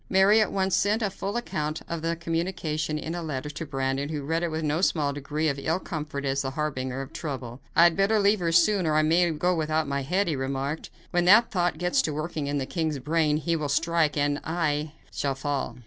Mary at once sent a full account of the communication in a letter to Brandon, who read it with no small degree of ill comfort as the harbinger of trouble. "I had better leave here soon, or I may go without my head," he remarked. "When that thought gets to working in the king's brain, he will strike, and I shall fall."